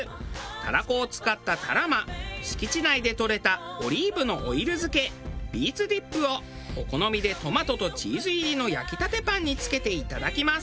たらこを使ったタラマ敷地内でとれたオリーブのオイル漬けビーツディップをお好みでトマトとチーズ入りの焼きたてパンにつけていただきます。